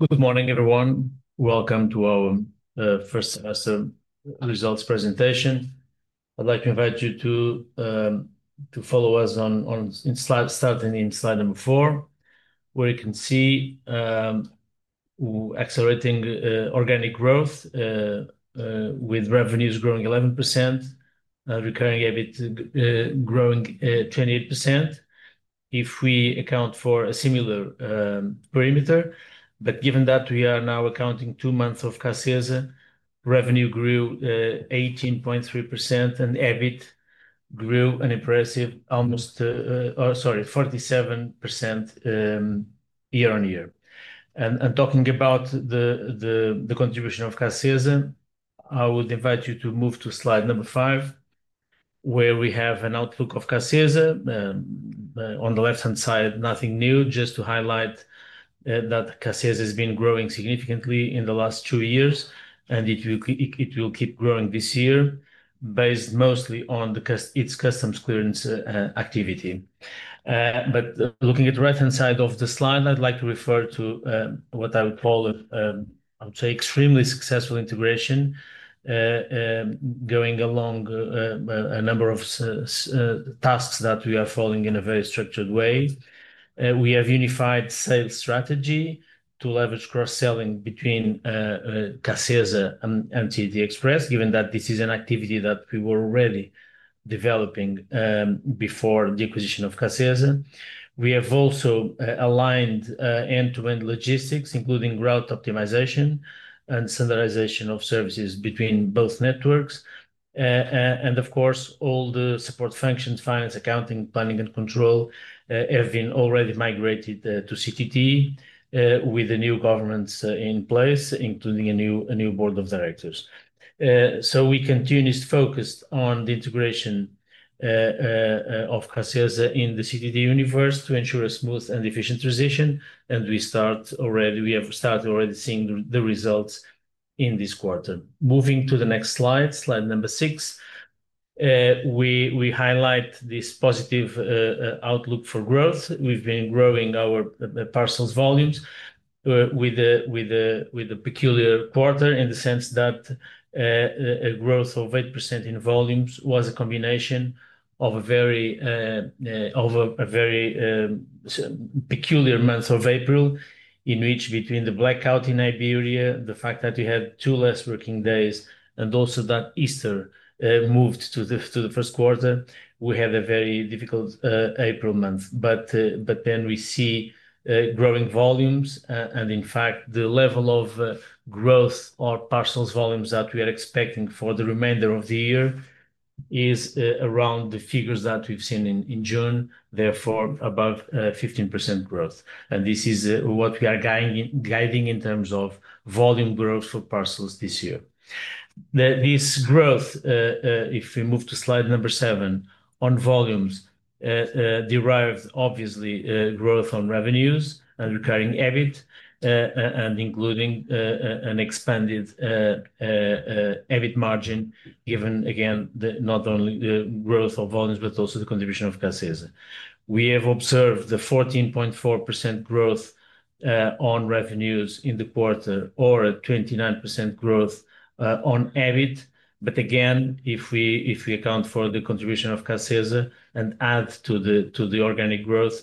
Good morning, everyone. Welcome to our first results presentation. I'd like to invite you to follow us on slides starting in slide number four, where you can see accelerating organic growth with revenues growing 11%, recurring EBIT growing 28% if we account for a similar perimeter. Given that we are now accounting two months of CACESA, revenue grew 18.3% and EBIT grew an impressive almost, sorry, 47% year-on-year. Talking about the contribution of CACESA, I would invite you to move to slide number five, where we have an outlook of CACESA. On the left-hand side, nothing new, just to highlight that CACESA has been growing significantly in the last two years, and it will keep growing this year, based mostly on its customs clearance activity. Looking at the right-hand side of the slide, I'd like to refer to what I would call, I would say, extremely successful integration going along a number of tasks that we are following in a very structured way. We have a unified sales strategy to leverage cross-selling between CACESA and TD Express, given that this is an activity that we were already developing before the acquisition of CACESA. We have also aligned end-to-end logistics, including route optimization and standardization of services between both networks. Of course, all the support functions, finance, accounting, planning, and control have been already migrated to CTT with the new governance in place, including a new board of directors. We continue to focus on the integration of CACESA in the CTT universe to ensure a smooth and efficient transition. We have started already seeing the results in this quarter. Moving to the next slide, slide number six, we highlight this positive outlook for growth. We've been growing our parcels volumes with a peculiar quarter in the sense that a growth of 8% in volumes was a combination of a very peculiar month of April, in which between the blackout in Iberia, the fact that we had two less working days, and also that Easter moved to the first quarter, we had a very difficult April month. We see growing volumes, and in fact, the level of growth or parcels volumes that we are expecting for the remainder of the year is around the figures that we've seen in June, therefore above 15% growth. This is what we are guiding in terms of volume growth for parcels this year. This growth, if we move to slide number seven, on volumes derives, obviously, growth on revenues and recurring EBIT, and including an expanded EBIT margin, given again, not only the growth of volumes, but also the contribution of CACESA. We have observed the 14.4% growth on revenues in the quarter, or a 29% growth on EBIT. If we account for the contribution of CACESA and add to the organic growth,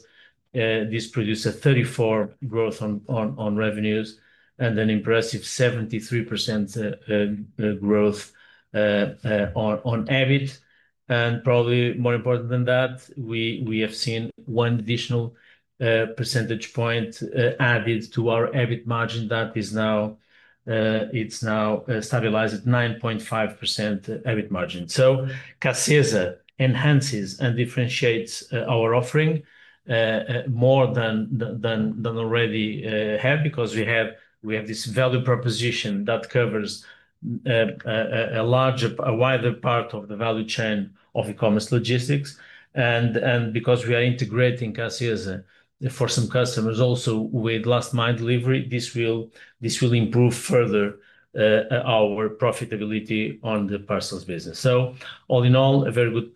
this produces a 34% growth on revenues, and then an impressive 73% growth on EBIT. Probably more important than that, we have seen one additional percentage point added to our EBIT margin that is now, it's now stabilized at 9.5% EBIT margin. CACESA enhances and differentiates our offering more than already had because we have this value proposition that covers a wider part of the value chain of e-commerce logistics. Because we are integrating CACESA for some customers also with last-mile delivery, this will improve further our profitability on the parcels business. All in all, a very good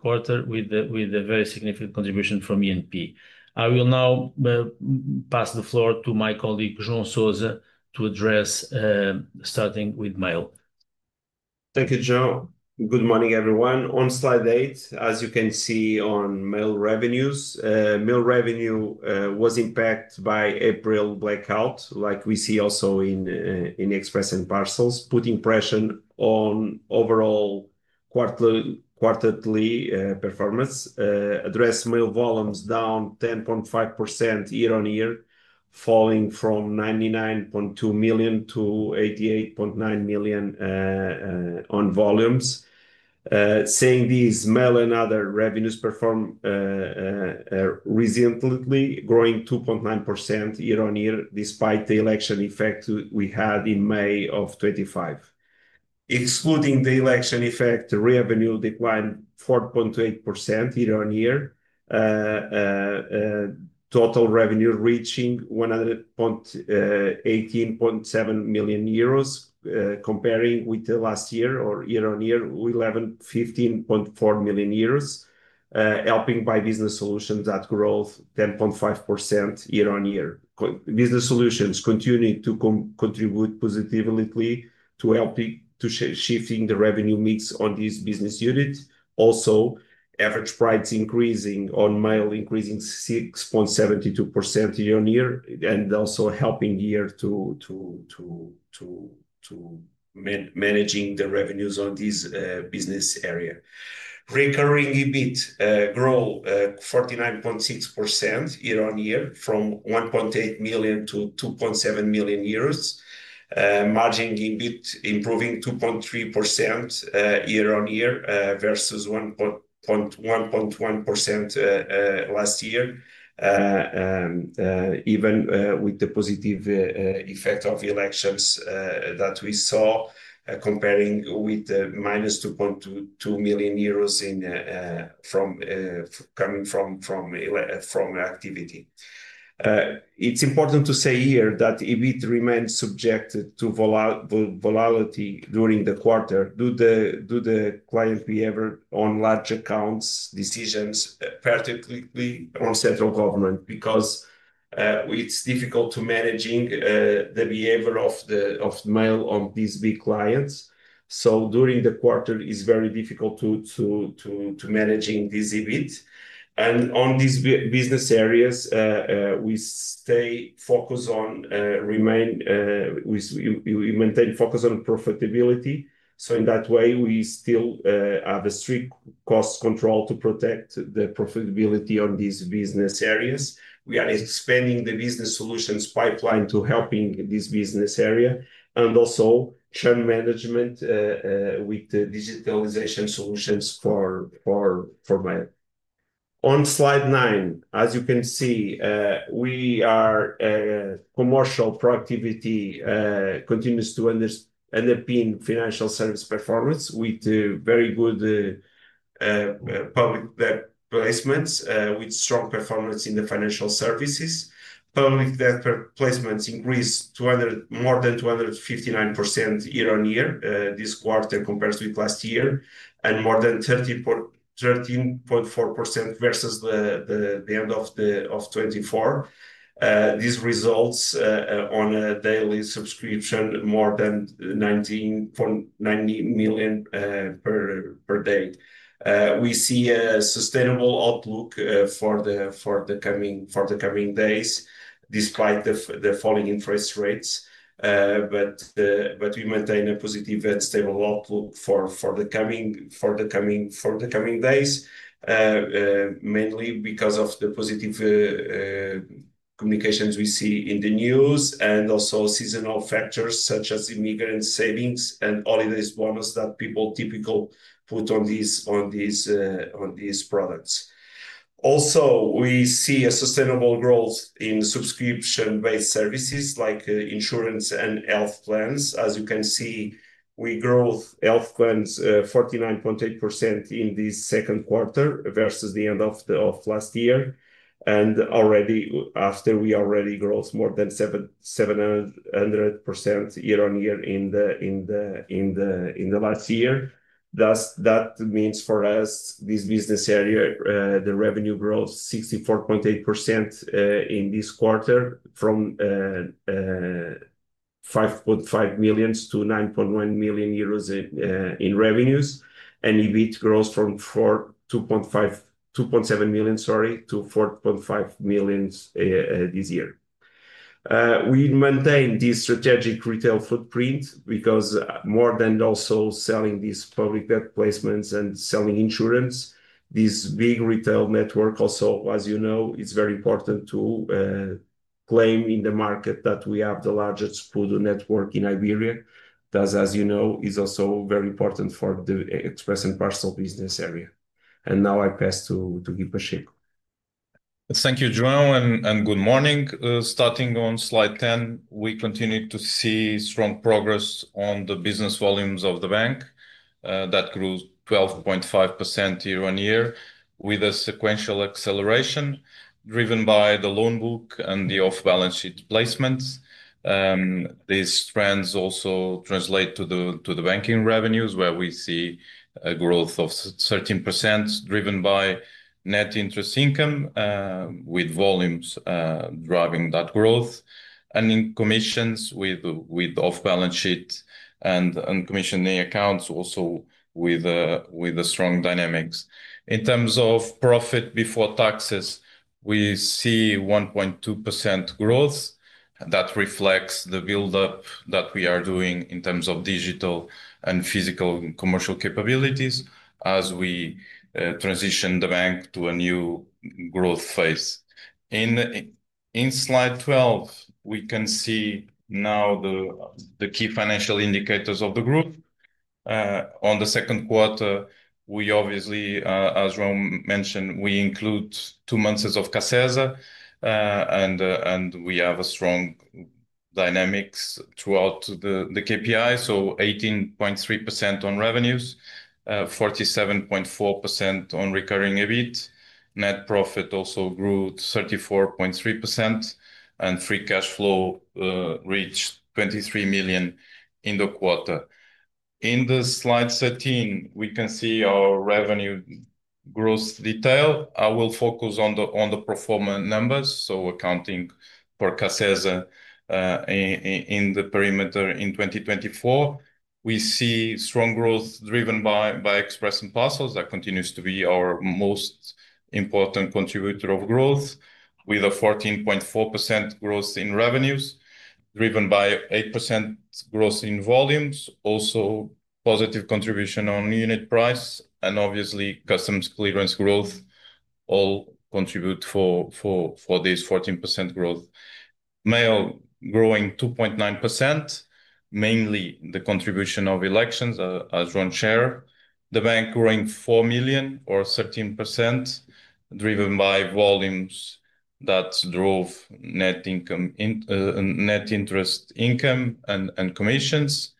quarter with a very significant contribution from E&P. I will now pass the floor to my colleague, João Sousa, to address starting with mail. Thank you, João. Good morning, everyone. On slide eight, as you can see on mail revenues, mail revenue was impacted by April blackout, like we see also in Express & Parcels, putting pressure on overall quarterly performance. Addressed mail volumes down 10.5% year-on-year, falling from 99.2 million to 88.9 million on volumes. Seeing this, Mail & Other revenues performed resiliently, growing 2.9% year-on-year, despite the election effect we had in May of 2025. Excluding the election effect, revenue declined 4.8% year-on-year, total revenue reaching 118.7 million euros, comparing with last year, or year-on-year, 115.4 million euros, helped by Business Solutions that grow 10.5% year-on-year. Business Solutions continue to contribute positively to help shifting the revenue mix on these business units. Also, average price increasing on mail increasing 6.72% year-on-year, and also helping here to manage the revenues on this business area. Recurring EBIT growth 49.6% year-on-year from 1.8 million to 2.7 million euros. Margin EBIT improving 2.3% year-on-year versus 1.1% last year, even with the positive effect of elections that we saw, comparing with the minus 2.2 million euros coming from activity. It's important to say here that EBIT remains subjected to volatility during the quarter. Due to client behavior on large accounts decisions, particularly on central government, because it's difficult to manage the behavior of the mail on these big clients. During the quarter, it's very difficult to manage these EBIT. In these business areas, we stay focused on, we maintain focus on profitability. In that way, we still have a strict cost control to protect the profitability on these business areas. We are expanding the Business Solutions pipeline to helping this business area and also churn management with the digitalization solutions for mail. On slide nine, as you can see, our commercial productivity continues to underpin Financial Services performance with very good public placements, with strong performance in the financial services. Public placements increased more than 259% year-on-year this quarter compared with last year, and more than 13.4% versus the end of 2024. This results on a daily subscription more than 19.90 million per day. We see a sustainable outlook for the coming days, despite the falling interest rates. We maintain a positive and stable outlook for the coming days, mainly because of the positive communications we see in the news and also seasonal factors such as immigrant savings and holidays bonus that people typically put on these products. Also, we see a sustainable growth in subscription-based services like insurance and health plans. As you can see, we grow health plans 49.8% in this second quarter versus the end of last year. Already, after we already grow more than 700% year-on-year in the last year. This means for us, this business area, the revenue grows 64.8% in this quarter from 5.5 million to 9.1 million euros in revenues. EBIT grows from 2.7 million to 4.5 million this year. We maintain this strategic retail footprint because more than also selling these public debt placements and selling insurance, this big retail network also, as you know, is very important to claim in the market that we have the largest footprint in Iberia. As you know, it's also very important for the Express & Parcels business area. Now I pass to Guilherme Pacheco. Thank you, João, and good morning. Starting on slide 10, we continue to see strong progress on the business volumes of the bank that grew 12.5% year-on-year with a sequential acceleration driven by the loan book and the off-balance sheet placements. These trends also translate to the banking revenues where we see a growth of 13% driven by net interest income, with volumes driving that growth. In commissions with off-balance sheet and uncommissioned accounts also with a strong dynamics. In terms of profit before taxes, we see 1.2% growth. That reflects the buildup that we are doing in terms of digital and physical commercial capabilities as we transition the bank to a new growth phase. In slide 12, we can see now the key financial indicators of the group. On the second quarter, as João mentioned, we include two months of CACESA, and we have strong dynamics throughout the KPI. 18.3% on revenues, 47.4% on recurring EBIT. Net profit also grew 34.3%, and free cash flow reached 23 million in the quarter. In slide 13, we can see our revenue growth detail. I will focus on the performance numbers, so accounting for CACESA in the perimeter in 2024. We see strong growth driven by Express & Parcels. That continues to be our most important contributor of growth, with a 14.4% growth in revenues, driven by 8% growth in volumes. Also, positive contribution on unit price, and obviously, customs clearance growth all contribute for this 14% growth. Mail growing 2.9%, mainly the contribution of elections, as João shared. The bank growing 4 million, or 13%, driven by volumes that drove net interest income and commissions.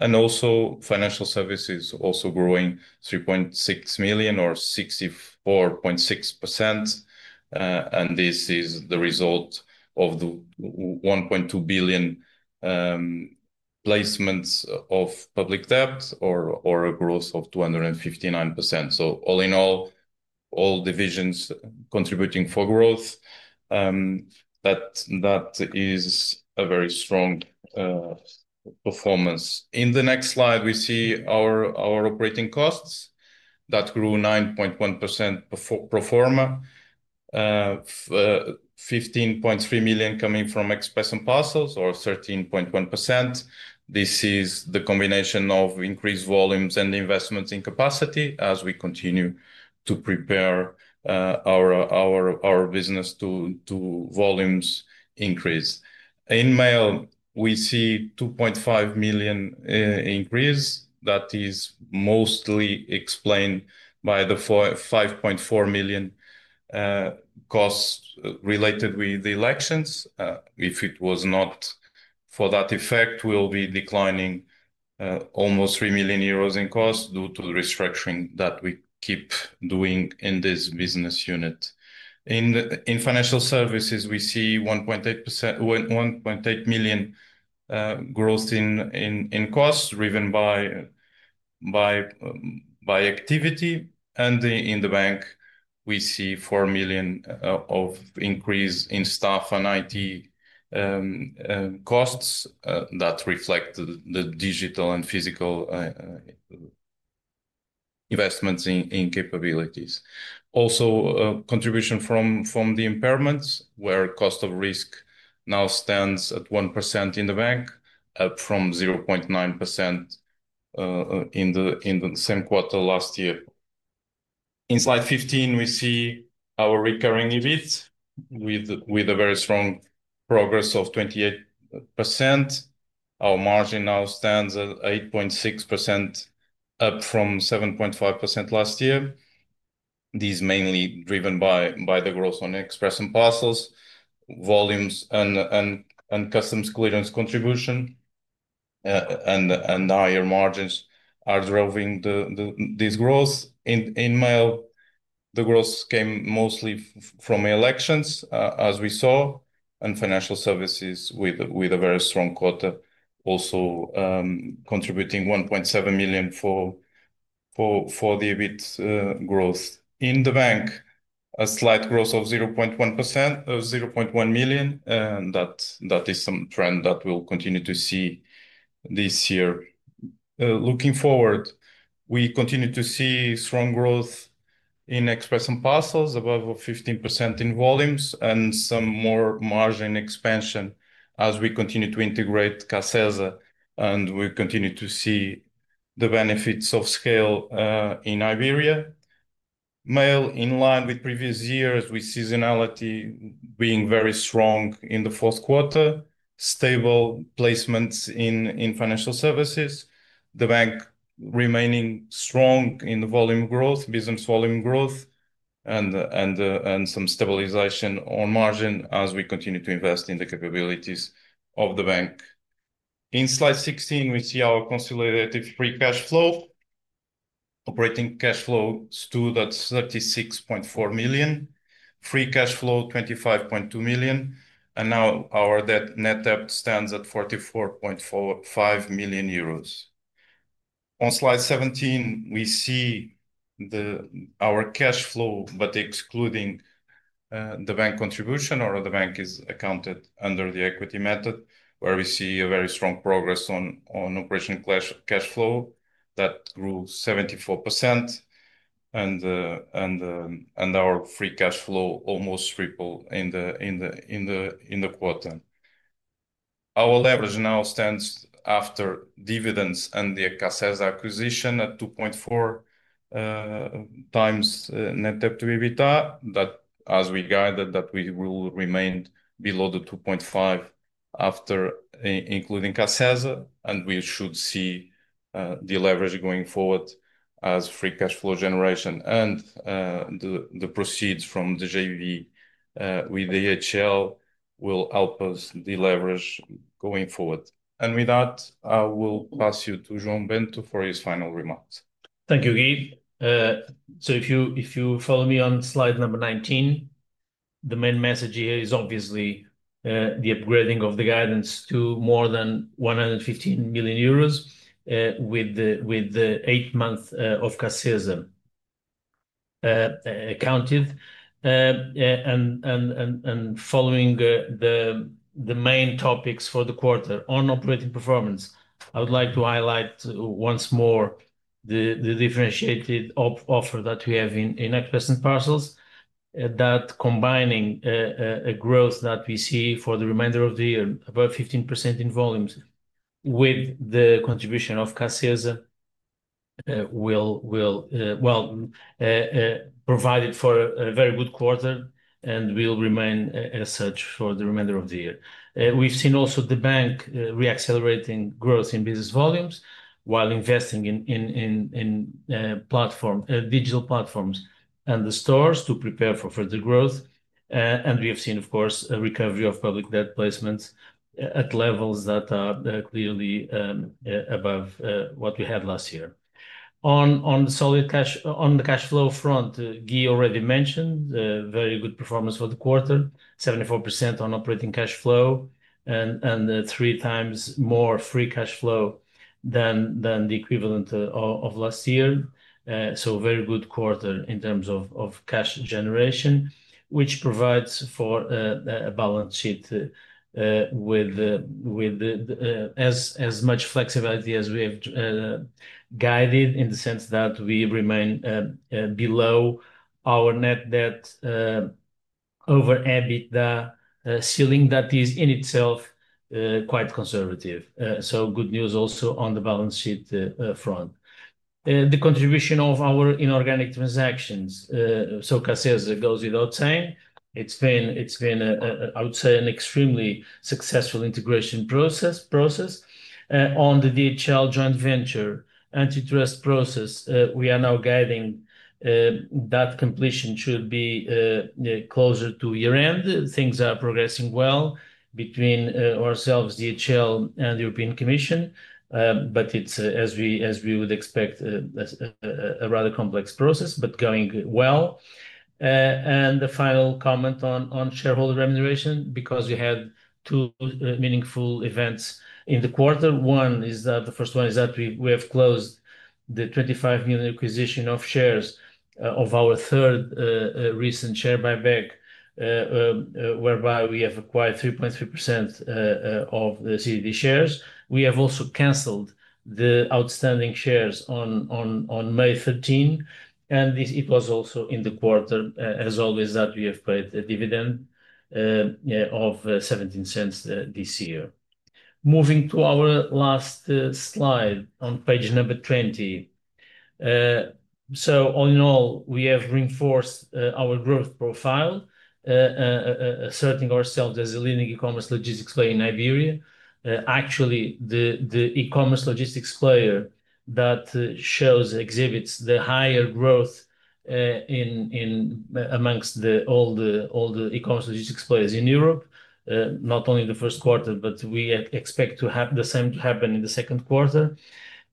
Financial services also growing 3.6 million, or 64.6%. This is the result of the 1.2 billion placements of public debts, or a growth of 259%. All in all, all divisions contributing for growth. That is a very strong performance. In the next slide, we see our operating costs that grew 9.1% performer, 15.3 million coming from Express & Parcels, or 13.1%. This is the combination of increased volumes and investments in capacity as we continue to prepare our business to volumes increase. In Mail, we see 2.5 million increase. That is mostly explained by the 5.4 million costs related with the elections. If it was not for that effect, we'll be declining almost 3 million euros in costs due to the restructuring that we keep doing in this business unit. In Financial Services, we see 1.8 million growth in costs driven by activity. In the Bank, we see 4 million of increase in staff and IT costs that reflect the digital and physical investments in capabilities. Also, contribution from the impairments, where cost of risk now stands at 1% in the Bank, up from 0.9% in the same quarter last year. In slide 15, we see our recurring EBIT with a very strong progress of 28%. Our margin now stands at 8.6%, up from 7.5% last year. This is mainly driven by the growth on Express & Parcels, volumes, and customs clearance contribution. Higher margins are driving this growth. In Mail, the growth came mostly from elections, as we saw, and Financial Services with a very strong quota also contributing 1.7 million for the EBIT growth. In the Bank, a slight growth of 0.1%, 0.1 million. That is some trend that we'll continue to see this year. Looking forward, we continue to see strong growth in Express & Parcels, above 15% in volumes, and some more margin expansion as we continue to integrate CACESA. We continue to see the benefits of scale in Iberia. Mail, in line with previous years, with seasonality being very strong in the fourth quarter, stable placements in Financial Services. The Bank remaining strong in the business volume growth, and some stabilization on margin as we continue to invest in the capabilities of the Bank. In slide 16, we see our consolidated free cash flow. Operating cash flow stood at 36.4 million, free cash flow 25.2 million, and now our net debt stands at 44.45 million euros. On slide 17, we see our cash flow, but excluding the Bank contribution, or the Bank is accounted under the equity method, where we see a very strong progress on operating cash flow that grew 74%. Our free cash flow almost tripled in the quarter. Our leverage now stands after dividends and the CACESA acquisition at 2.4 times net debt to EBIT. As we guide that, we will remain below the 2.5 after including CACESA, and we should see the leverage going forward as free cash flow generation and the proceeds from the JV with the DHL will help us deleverage going forward. With that, I will pass you to João Bento for his final remarks. Thank you, Guy. If you follow me on slide number 19, the main message here is obviously the upgrading of the guidance to more than 115 million euros with the eight months of CACESA counted. Following the main topics for the quarter on operating performance, I would like to highlight once more the differentiated offer that we have in Express & Parcels, that combining a growth that we see for the remainder of the year, above 15% in volumes with the contribution of CACESA, will provide for a very good quarter and will remain as such for the remainder of the year. We've seen also the Bank reaccelerating growth in business volumes while investing in digital platforms and the stores to prepare for further growth. We have seen, of course, a recovery of Public Debt Placements at levels that are clearly above what we had last year. On the cash flow front, he already mentioned very good performance for the quarter, 74% on operating cash flow, and three times more free cash flow than the equivalent of last year. Very good quarter in terms of cash generation, which provides for a balance sheet with as much flexibility as we have guided in the sense that we remain below our net debt over EBIT ceiling that is in itself quite conservative. Good news also on the balance sheet front. The contribution of our inorganic transactions, so CACESA goes without saying. It's been, I would say, an extremely successful integration process. On the DHL joint venture antitrust process, we are now guiding that completion should be closer to year-end. Things are progressing well between ourselves, DHL, and the European Commission. It is, as we would expect, a rather complex process, but going well. The final comment on shareholder remuneration, because we had two meaningful events in the quarter. The first one is that we have closed the 25 million acquisition of shares of our third recent share buyback, whereby we have acquired 3.3% of the CTT shares. We have also canceled the outstanding shares on May 13, and it was also in the quarter, as always, that we have paid a dividend of 0.17 this year. Moving to our last slide on page number 20. All in all, we have reinforced our growth profile, asserting ourselves as the leading e-commerce logistics player in Iberia. Actually, the e-commerce logistics player that shows the higher growth amongst all the e-commerce logistics players in Europe, not only the first quarter, but we expect the same to happen in the second quarter.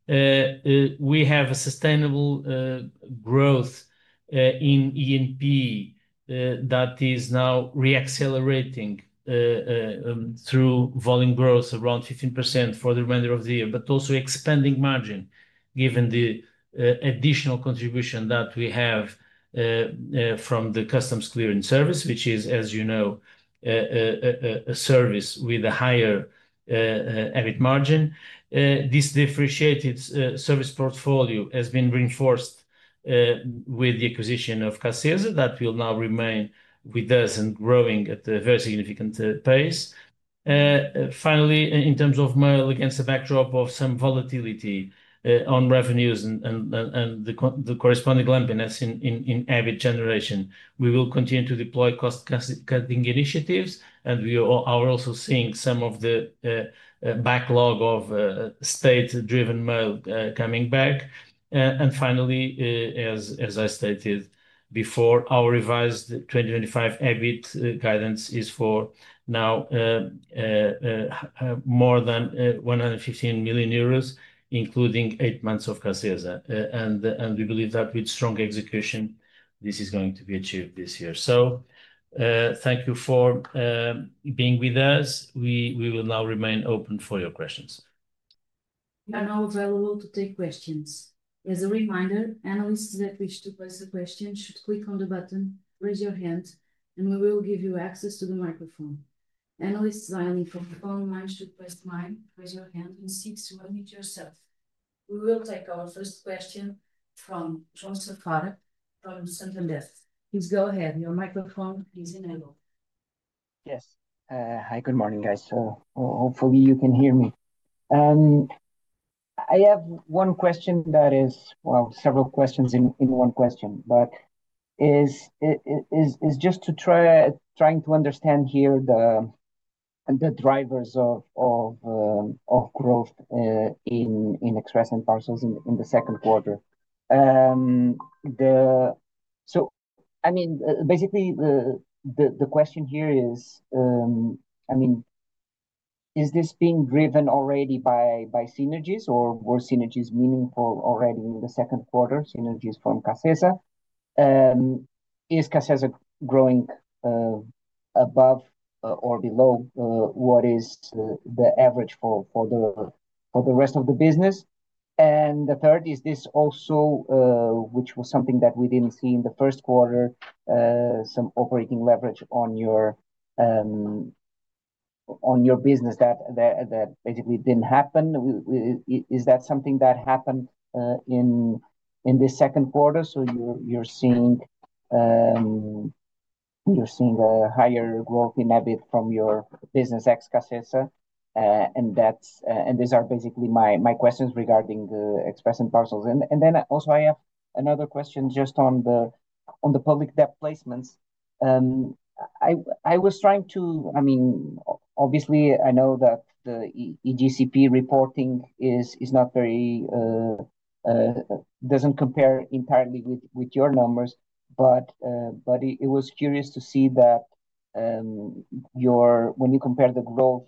We have a sustainable growth in E&P that is now reaccelerating through volume growth around 15% for the remainder of the year, but also expanding margin given the additional contribution that we have from the customs clearance service, which is, as you know, a service with a higher EBIT margin. This differentiated service portfolio has been reinforced with the acquisition of CACESA that will now remain with us and growing at a very significant pace. Finally, in terms of mail against the backdrop of some volatility on revenues and the corresponding lumpiness in EBIT generation, we will continue to deploy cost-cutting initiatives, and we are also seeing some of the backlog of state-driven mail coming back. As I stated before, our revised 2025 EBIT guidance is for now more than 115 million euros, including eight months of CACESA. We believe that with strong execution, this is going to be achieved this year. Thank you for being with us. We will now remain open for your questions. are now available to take questions. As a reminder, analysts that wish to pose a question should click on the button, raise your hand, and we will give you access to the microphone. Analysts dialing from the following line should press nine, raise your hand, and seek to unmute yourself. We will take our first question from Joseph Fedele from the Sundanese. Please go ahead. Your microphone is enabled. Yes. Hi, good morning, guys. Hopefully, you can hear me. I have one question that is, actually several questions in one question, just to try to understand here the drivers of growth in Express & Parcels in the second quarter. I mean, basically, the question here is, is this being driven already by synergies, or were synergies meaningful already in the second quarter, synergies from CACESA? Is CACESA growing above or below what is the average for the rest of the business? The third is this also, which was something that we didn't see in the first quarter, some operating leverage on your business that basically didn't happen. Is that something that happened in this second quarter? You're seeing a higher growth in EBIT from your business ex CACESA. These are basically my questions regarding Express & Parcels. I also have another question just on the Public Debt Placements. I was trying to, obviously, I know that the IGCP reporting is not very, doesn't compare entirely with your numbers, but I was curious to see that when you compare the growth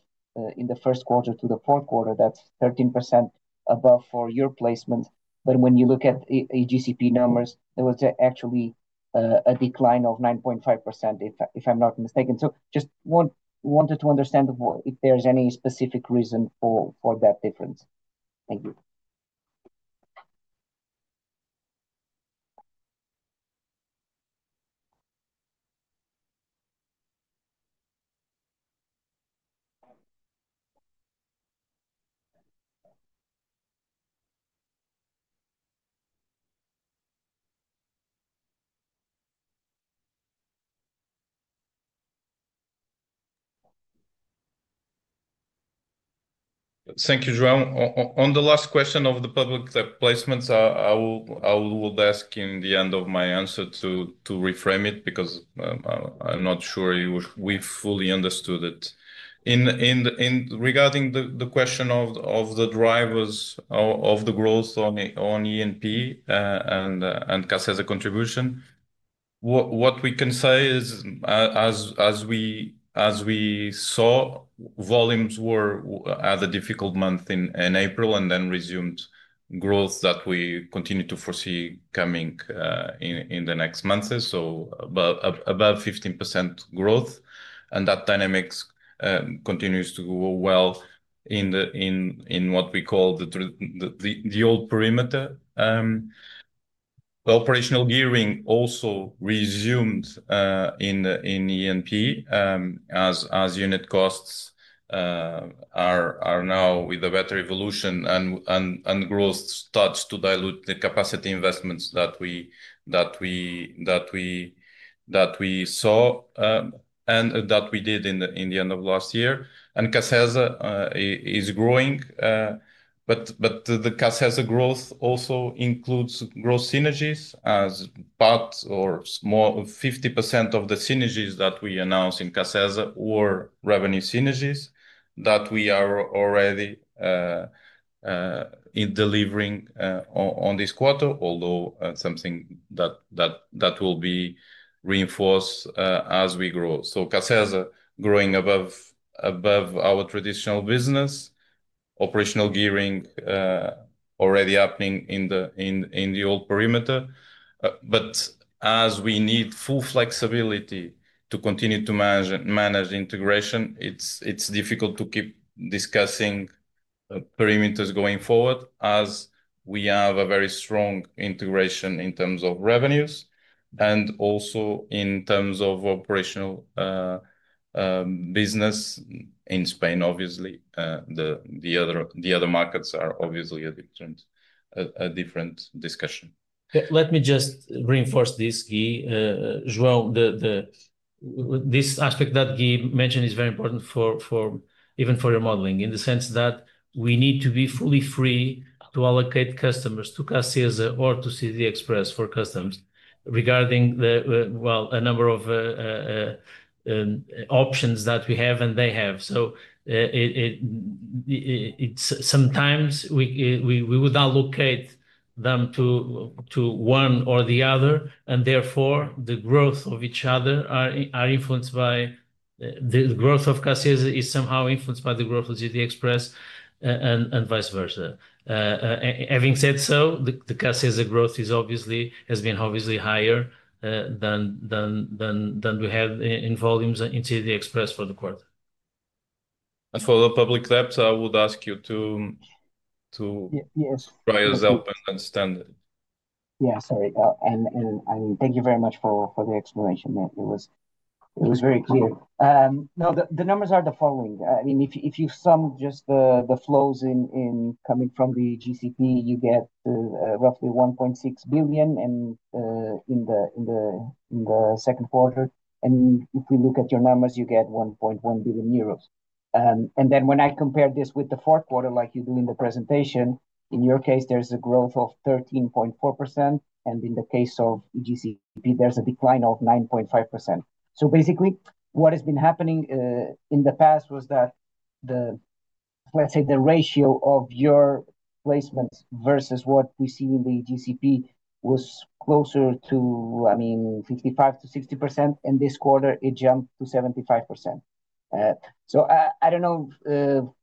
in the first quarter to the fourth quarter, that's 13% above for your placements. When you look at IGCP numbers, it was actually a decline of 9.5%, if I'm not mistaken. I just wanted to understand if there's any specific reason for that difference. Thank you. Thank you, João. On the last question of the public debt placements, I will ask in the end of my answer to reframe it because I'm not sure we fully understood it. Regarding the question of the drivers of the growth on E&P and CACESA contribution, what we can say is, as we saw, volumes were at a difficult month in April and then resumed growth that we continue to foresee coming in the next months, above 15% growth. That dynamics continues to go well in what we call the old perimeter. The operational gearing also resumed in E&P as unit costs are now with a better evolution and growth starts to dilute the capacity investments that we saw and that we did in the end of last year. CACESA is growing, but the CACESA growth also includes growth synergies as part or more of 50% of the synergies that we announced in CACESA were revenue synergies that we are already delivering on this quarter, although something that will be reinforced as we grow. CACESA growing above our traditional business, operational gearing already happening in the old perimeter. As we need full flexibility to continue to manage the integration, it's difficult to keep discussing perimeters going forward as we have a very strong integration in terms of revenues and also in terms of operational business in Spain, obviously. The other markets are obviously a different discussion. Let me just reinforce this, Guy. João, this aspect that Guy mentioned is very important even for your modeling in the sense that we need to be fully free to allocate customers to CACESA or to TD Express for customs regarding a number of options that we have and they have. Sometimes we would allocate them to one or the other, and therefore, the growth of each other is somehow influenced by the growth of CACESA and vice versa. Having said so, the CACESA growth has been obviously higher than we have in volumes in TD Express for the quarter. For the public debt, I would ask you to try yourself and understand it. Sorry, and thank you very much for the explanation. It was very clear. The numbers are the following. If you sum just the flows coming from the IGCP, you get roughly 1.6 billion in the second quarter. If we look at your numbers, you get 1.1 billion euros. When I compare this with the fourth quarter, like you do in the presentation, in your case, there's a growth of 13.4%, and in the case of IGCP, there's a decline of 9.5%. Basically, what has been happening in the past was that, let's say, the ratio of your placements versus what we see in the IGCP was closer to 55 to 60%. This quarter, it jumped to 75%. I don't know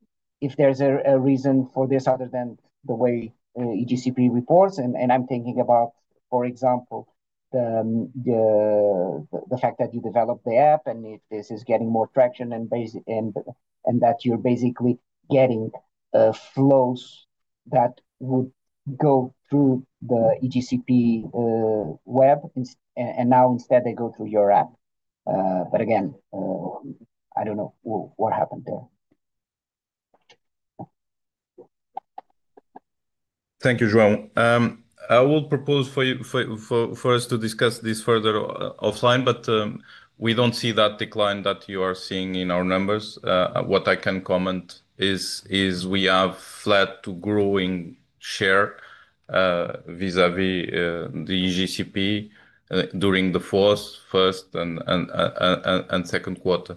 if there's a reason for this other than the way IGCP reports. I'm thinking about, for example, the fact that you developed the app and this is getting more traction and that you're basically getting flows that would go through the IGCP web, and now instead, they go through your app. Again, I don't know what happened there. Thank you, João. I will propose for us to discuss this further offline, but we don't see that decline that you are seeing in our numbers. What I can comment is we have flat to growing share vis-à-vis the IGCP during the fourth, first, and second quarter.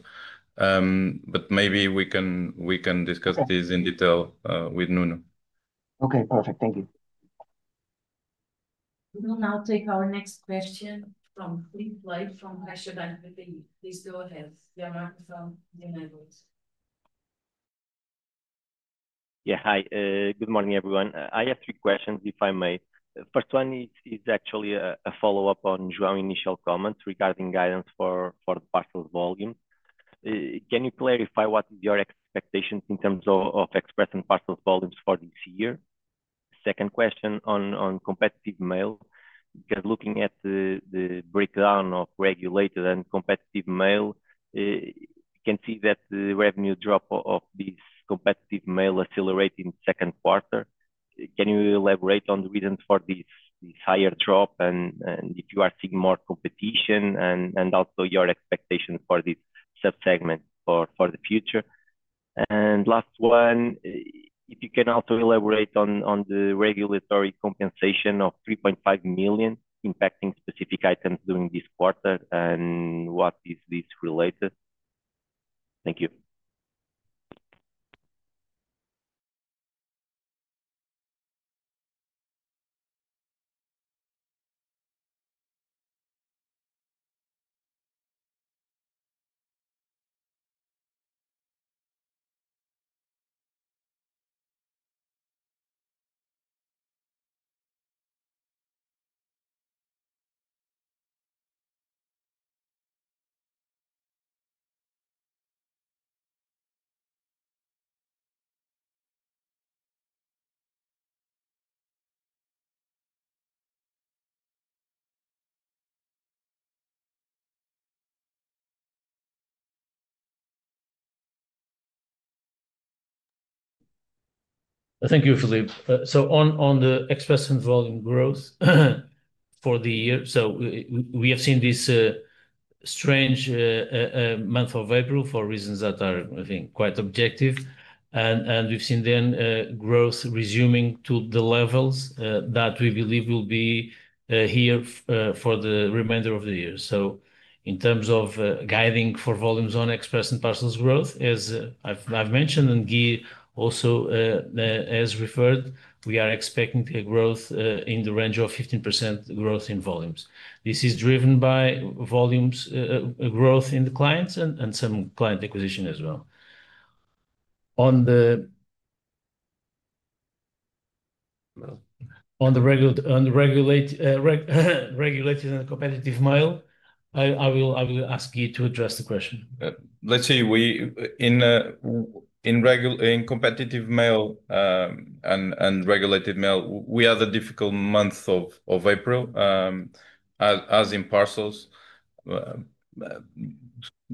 Maybe we can discuss this in detail with Nuno. Okay, perfect. Thank you. We will now take our next question from the free slide from Philippe. You're on the phone. You may go ahead. Yeah, hi. Good morning, everyone. I have three questions, if I may. The first one is actually a follow-up on João's initial comments regarding guidance for the parcel volumes. Can you clarify what your expectations in terms of Express & Parcels volumes for this year? Second question on competitive mail, because looking at the breakdown of regulated and competitive mail, you can see that the revenue drop of this competitive mail accelerated in the second quarter. Can you elaborate on the reasons for this higher drop and if you are seeing more competition and also your expectations for this subsegment for the future? Last one, if you can also elaborate on the regulatory compensation of 3.5 million impacting specific items during this quarter and what is this related? Thank you. Thank you, Philippe. On the Express & Parcels and volume growth for the year, we have seen this strange month of April for reasons that are, I think, quite objective. We've seen growth resuming to the levels that we believe will be here for the remainder of the year. In terms of guiding for volumes on Express & Parcels growth, as I've mentioned, and Guy also has referred, we are expecting a growth in the range of 15% growth in volumes. This is driven by volumes growth in the clients and some client acquisition as well. On the regulated and competitive mail, I will ask you to address the question. Let's say in competitive mail and regulated mail, we have a difficult month of April, as in parcels.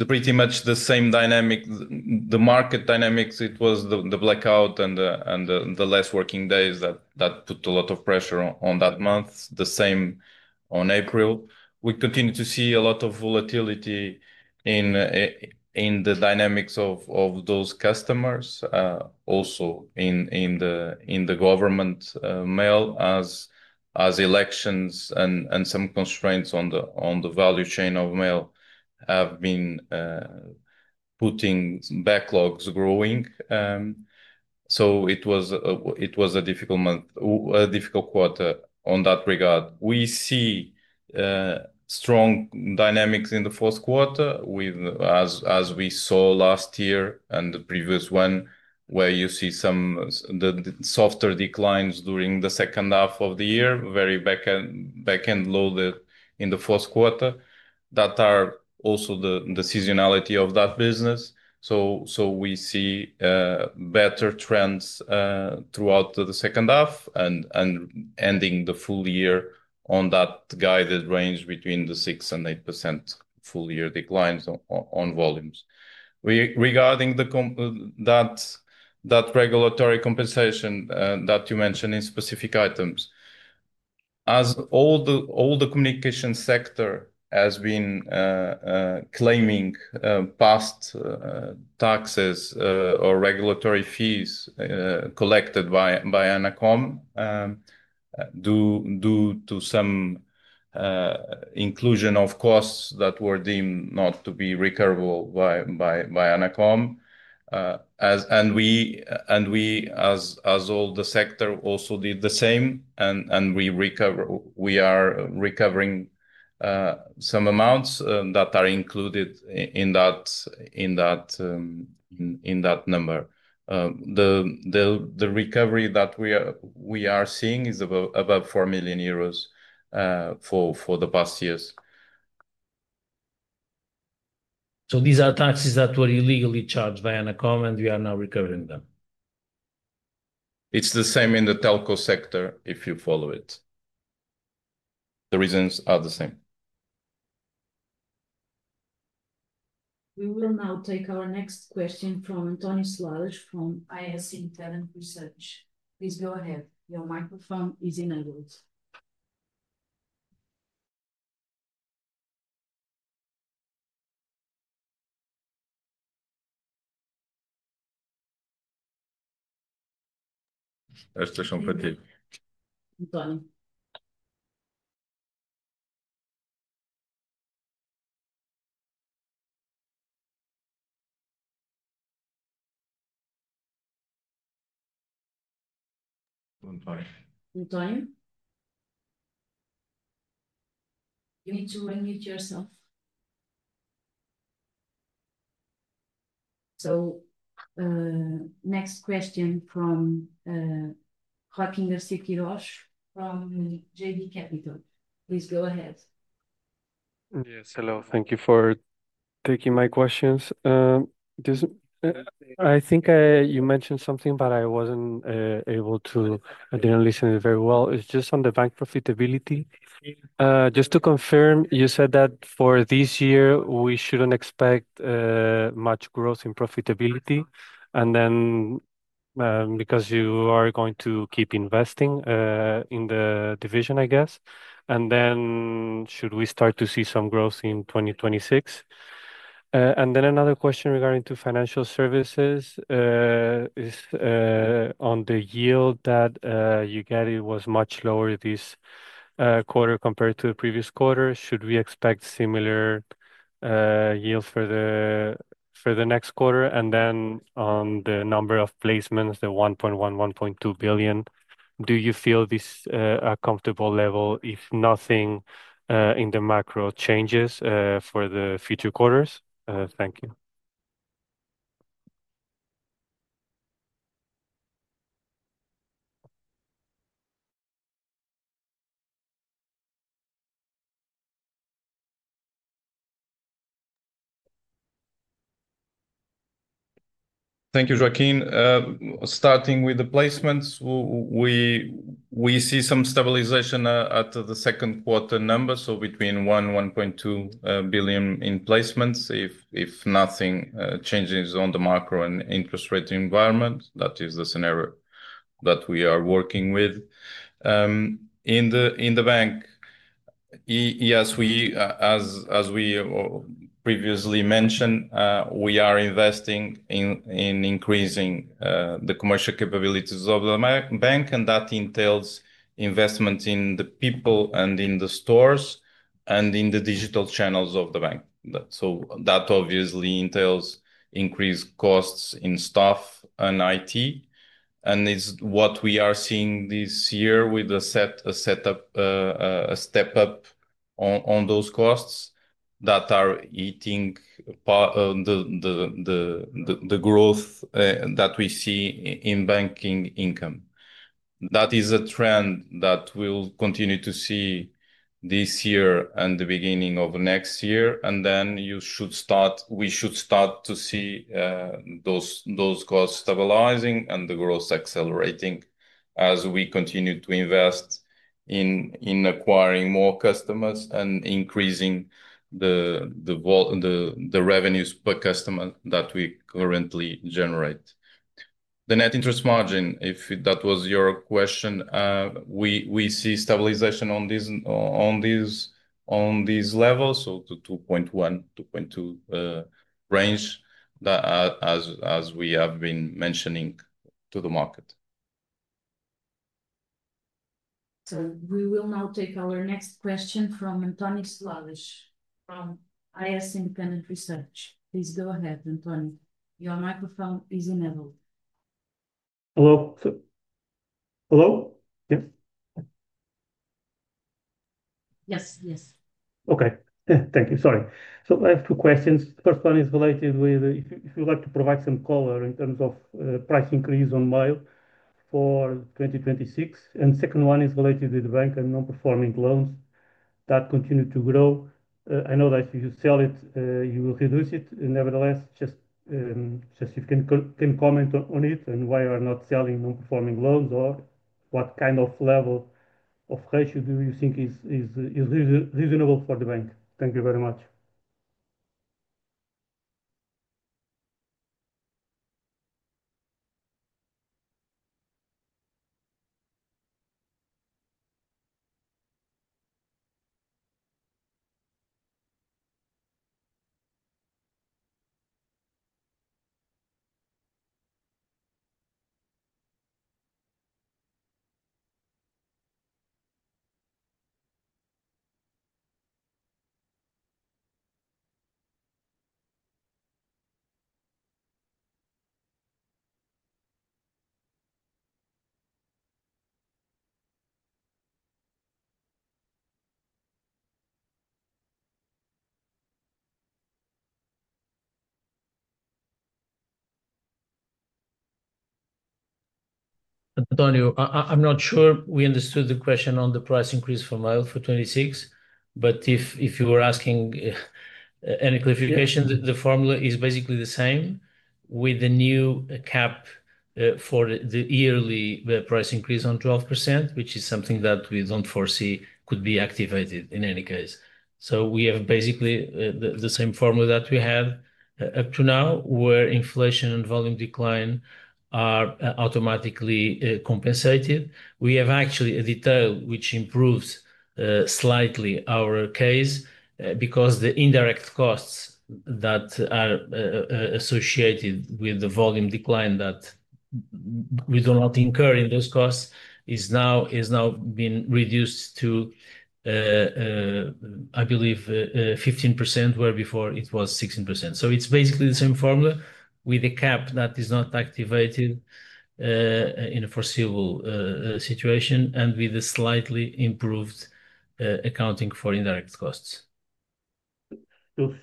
Pretty much the same dynamic, the market dynamics, it was the blackout and the less working days that put a lot of pressure on that month, the same on April. We continue to see a lot of volatility in the dynamics of those customers, also in the government mail, as elections and some constraints on the value chain of mail have been putting backlogs growing. It was a difficult month, a difficult quarter on that regard. We see strong dynamics in the fourth quarter, as we saw last year and the previous one, where you see some softer declines during the second half of the year, very backend loaded in the fourth quarter. That is also the seasonality of that business. We see better trends throughout the second half and ending the full year on that guided range between the 6% and 8% full year declines on volumes. Regarding that regulatory compensation that you mentioned in specific items, as all the communication sector has been claiming past taxes or regulatory fees collected by ANACOM due to some inclusion of costs that were deemed not to be recoverable by ANACOM. We, as all the sector, also did the same, and we are recovering some amounts that are included in that number. The recovery that we are seeing is about 4 million euros for the past years. These are taxes that were illegally charged by ANACOM, and we are now recovering them. It's the same in the telco sector if you follow it. The reasons are the same. We will now take our next question António Seladas from AS Independent Research. Please go ahead. Your microphone is enabled. Ant`onio. You need to unmute yourself. Next question Joaquín García-Quiros from JB Capital. Please go ahead. Yes, hello. Thank you for taking my questions. I think you mentioned something, but I wasn't able to, I didn't listen very well. It's just on the bank profitability. Just to confirm, you said that for this year, we shouldn't expect much growth in profitability because you are going to keep investing in the division, I guess, and should we start to see some growth in 2026? Another question regarding financial services is on the yield that you get. It was much lower this quarter compared to the previous quarter. Should we expect similar yield for the next quarter? On the number of placements, the 1.1, 1.2 billion, do you feel this is a comfortable level if nothing in the macro changes for the future quarters? Thank you. Thank you, Joaquín. Starting with the placements, we see some stabilization at the second quarter number, so between 1 billion, 1.2 billion in placements. If nothing changes on the macro and interest rate environment, that is the scenario that we are working with. In the bank, yes, as we previously mentioned, we are investing in increasing the commercial capabilities of the bank, and that entails investment in the people and in the stores and in the digital channels of the bank. That obviously entails increased costs in staff and IT. It's what we are seeing this year with a step up on those costs that are eating the growth that we see in banking income. That is a trend that we'll continue to see this year and the beginning of next year. We should start to see those costs stabilizing and the growth accelerating as we continue to invest in acquiring more customers and increasing the revenues per customer that we currently generate. The net interest margin, if that was your question, we see stabilization on these levels, so the 2.1%, 2.2% range that as we have been mentioning to the market. We will now take our next question António Seladas from AS Independent Research. Please go ahead, Ant`onio. Your microphone is enabled. Hello. Yeah. Yes, yes. Thank you. Sorry. I have two questions. The first one is related with if you would like to provide some color in terms of price increase on mail for 2026. The second one is related with the bank and non-performing loans that continue to grow. I know that if you sell it, you will reduce it. Nevertheless, just if you can comment on it and why you are not selling non-performing loans or what kind of level of ratio do you think is reasonable for the bank? Thank you very much. Thank you, António. I'm not sure we understood the question on the price increase for mail for 2026, but if you were asking any clarification, the formula is basically the same with the new cap for the yearly price increase on 12%, which is something that we don't foresee could be activated in any case. We have basically the same formula that we had up to now, where inflation and volume decline are automatically compensated. We have actually a detail which improves slightly our case because the indirect costs that are associated with the volume decline that we do not incur in those costs has now been reduced to, I believe, 15%, where before it was 16%. It's basically the same formula with a cap that is not activated in a foreseeable situation and with a slightly improved accounting for indirect costs.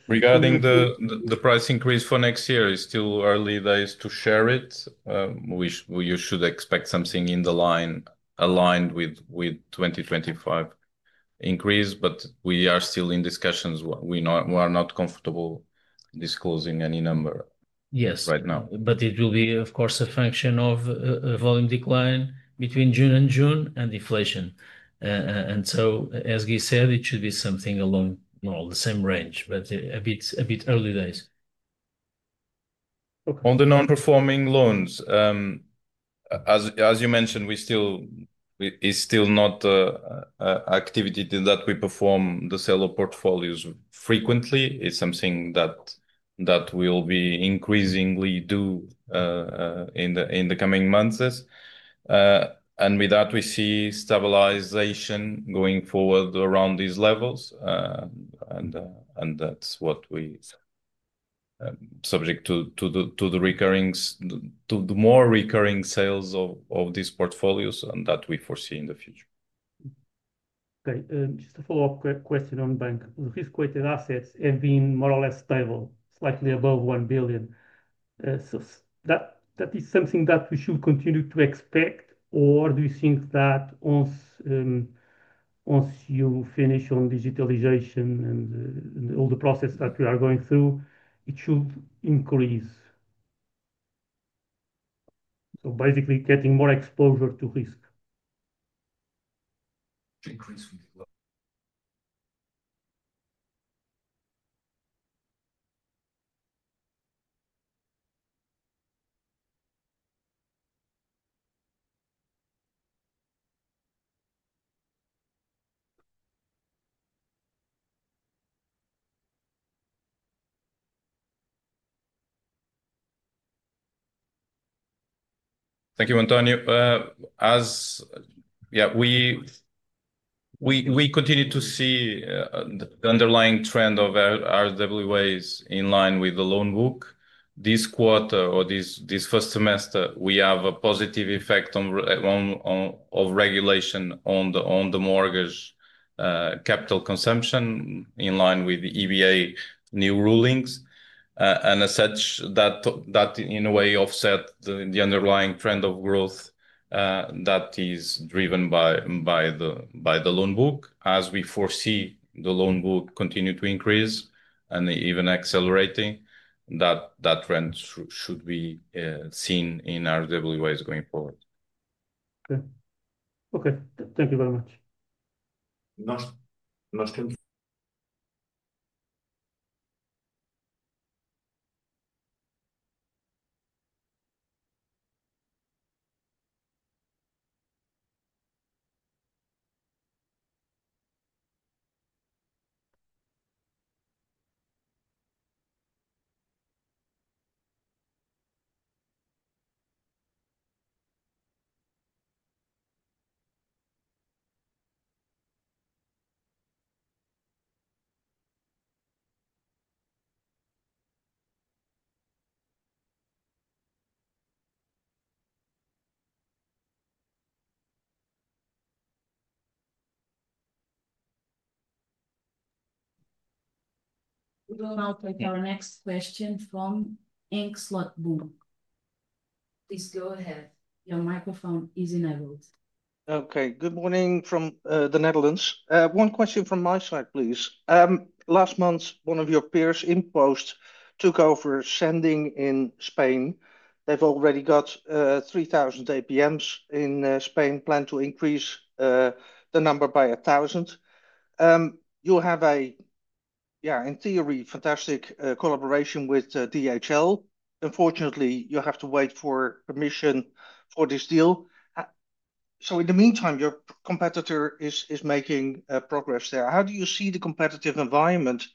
Regarding the price increase for next year, it's still early days to share it. We should expect something in line with the 2025 increase, but we are still in discussions. We are not comfortable disclosing any number right now. Yes, but it will be, of course, a function of a volume decline between June and June and inflation. As Guy said, it should be something along the same range, but a bit early days. On the non-performing loans, as you mentioned, it's still not an activity that we perform, the seller portfolios, frequently. It's something that we'll be increasingly doing in the coming months. With that, we see stabilization going forward around these levels. That's subject to the more recurring sales of these portfolios that we foresee in the future. Okay. Just a follow-up question on Bank. On the fiscal quarter, assets have been more or less stable, slightly above 1 billion. Is that something that we should continue to expect, or do you think that once you finish on digitalization and all the process that we are going through, it should increase, basically getting more exposure to risk? Thank you, António. As we continue to see the underlying trend of RWAs in line with the loan book, this quarter or this first semester, we have a positive effect on regulation on the mortgage capital consumption in line with the EBA new rulings. As such, that in a way offset the underlying trend of growth that is driven by the loan book. We foresee the loan book continue to increase and even accelerating, that trend should be seen in RWAs going forward. Okay, thank you very much. Nothing. We'll now take our next question from Anke Slotboom. Please go ahead. Your microphone is enabled. Okay. Good morning from the Netherlands. One question from my side, please. Last month, one of your peers InPost took over Sending in Spain. They've already got 3,000 APMs in Spain, plan to increase the number by 1,000. You have a, in theory, fantastic collaboration with DHL. Unfortunately, you have to wait for permission for this deal. In the meantime, your competitor is making progress there. How do you see the competitive environment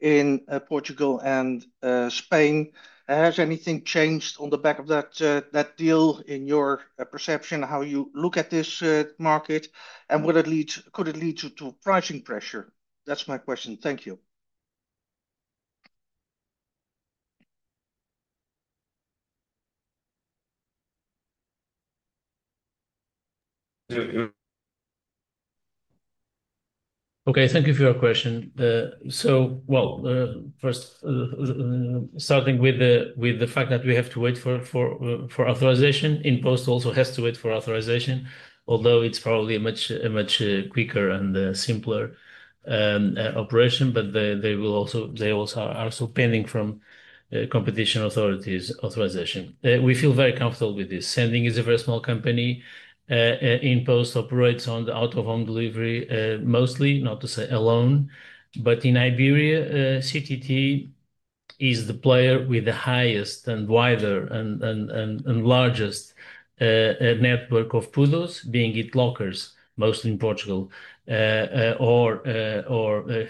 in Portugal and Spain? Has anything changed on the back of that deal in your perception, how you look at this market, and could it lead to pricing pressure? That's my question. Thank you. Thank you for your question. First, starting with the fact that we have to wait for authorization, InPost also has to wait for authorization, although it's probably a much quicker and simpler operation. They also are pending from competition authorization. We feel very comfortable with this. Sending is a very small company. InPost operates on the out-of-home delivery mostly, not to say alone. In Iberia, CTT is the player with the highest and wider and largest network of pick-up points, being it lockers, mostly in Portugal, or other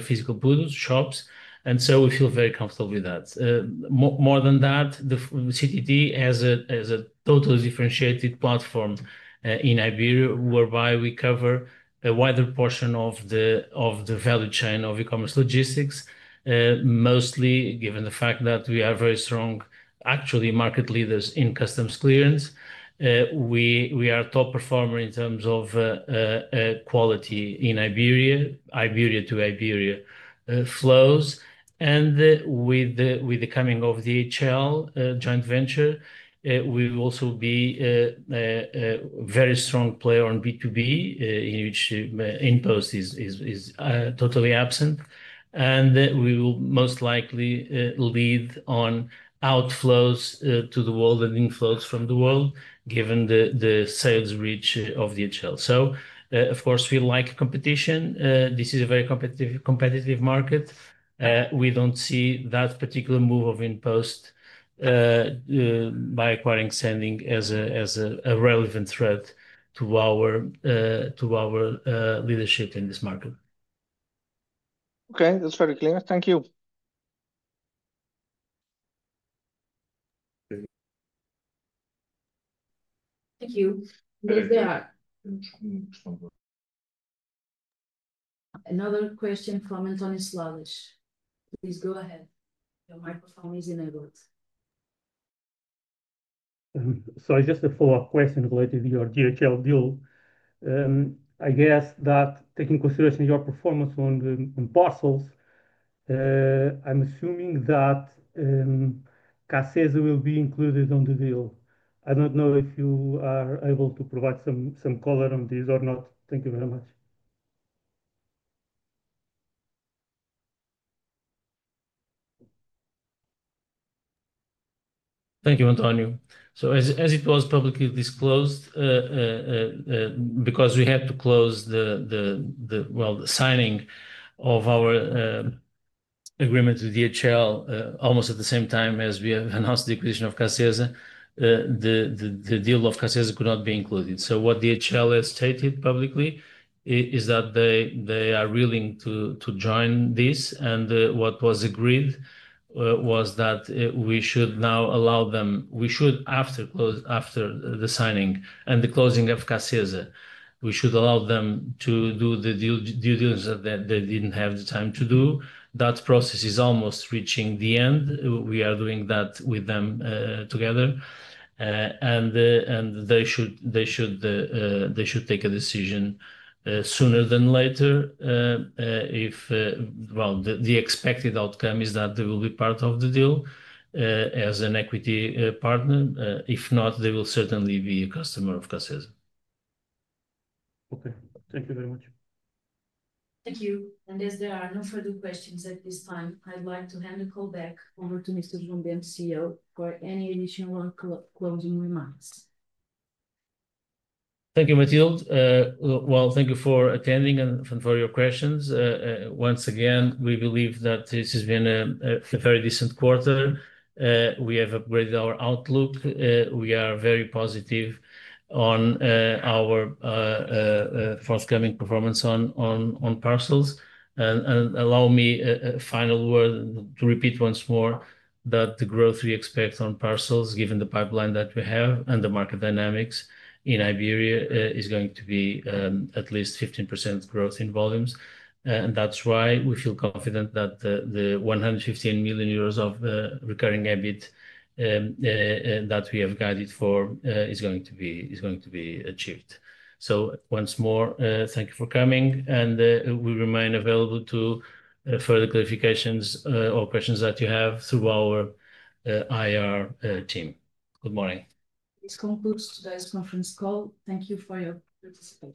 physical pick-up point shops. We feel very comfortable with that. More than that, CTT has a totally differentiated platform in Iberia, whereby we cover a wider portion of the value chain of e-commerce logistics, mostly given the fact that we are very strong, actually, market leaders in customs clearance. We are a top performer in terms of quality in Iberia, Iberia to Iberia flows. With the coming of DHL, a joint venture, we will also be a very strong player on B2B, in which InPost is totally absent. We will most likely lead on outflows to the world and inflows from the world, given the sales reach of DHL. Of course, we like competition. This is a very competitive market. We don't see that particular move of InPost by acquiring Sending as a relevant threat to our leadership in this market. Okay. That's very clear. Thank you. Thank you. Another question from António Seladas. Please go ahead. Your microphone is enabled. I just have a follow-up question related to your DHL deal. I guess that taking consideration of your performance on parcels, I'm assuming that CACESA will be included on the deal. I don't know if you are able to provide some color on this or not. Thank you very much. Thank you, António. As it was publicly disclosed, because we had to close the signing of our agreement with DHL almost at the same time as we announced the acquisition of CACESA, the deal of CACESA could not be included. What DHL has stated publicly is that they are willing to join this. What was agreed was that we should now allow them, after the signing and the closing of CACESA, to do the due diligence that they didn't have the time to do. That process is almost reaching the end. We are doing that with them together, and they should take a decision sooner than later. The expected outcome is that they will be part of the deal as an equity partner. If not, they will certainly be a customer of CACESA. Okay, thank you very much. Thank you. As there are no further questions at this time, I'd like to hand the call back over to Mr. João Bento for any additional closing remarks. Thank you, Mathilde. Thank you for attending and for your questions. Once again, we believe that this has been a very decent quarter. We have upgraded our outlook. We are very positive on our forthcoming performance on parcels. Allow me a final word to repeat once more that the growth we expect on parcels, given the pipeline that we have and the market dynamics in Iberia, is going to be at least 15% growth in volumes. That's why we feel confident that the 115 million euros of the recurring EBIT that we have guided for is going to be achieved. Once more, thank you for coming. We remain available to further clarifications or questions that you have through our IR team. Good morning. This concludes today's conference call. Thank you for your participation.